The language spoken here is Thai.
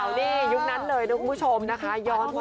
นี่ยุคนั้นเลยนะคุณผู้ชมนะคะ